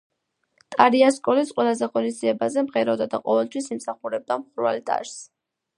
ტარია სკოლის ყველა ღონისძიებაზე მღეროდა და ყოველთვის იმსახურებდა მხურვალე ტაშს.